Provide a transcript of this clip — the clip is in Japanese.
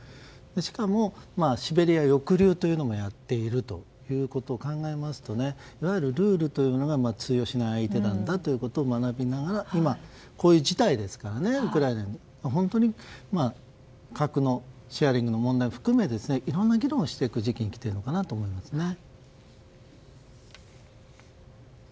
しかも、シベリア抑留というのもやっていることを考えますと、いわゆるルールが通用しない相手だということを学びながら今、こういう事態ですから本当に核のシェアリングの問題も含めいろいろな議論をしていく時期に来ていると思いますね。